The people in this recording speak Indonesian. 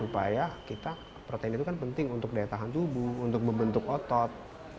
supaya kita protein itu kan penting untuk daya tahan tubuh untuk membentuk otot